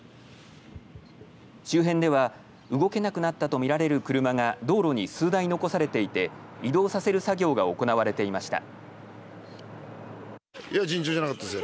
周辺では動けなくなったと見られる車が道路に数台、残されていて移動させる作業が行われていました。